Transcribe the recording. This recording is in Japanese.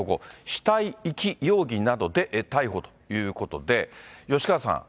死体遺棄容疑などで逮捕ということで、吉川さん。